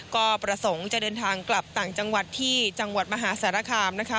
ก็ประสงค์จะเดินทางกลับต่างจังหวัดที่จังหวัดมหาสารคามนะคะ